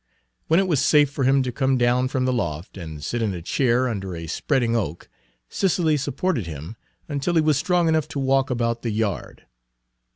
When it was safe for him to come down from the loft and sit in a chair under a spreading oak, Cicely supported him until he was strong enough to walk about the yard.